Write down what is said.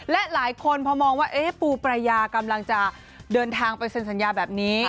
และหลายคนพอมองว่าปูปรายากำลังจะเดินทางไปเซ็นสัญญาแบบนี้